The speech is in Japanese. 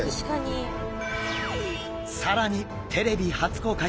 更にテレビ初公開！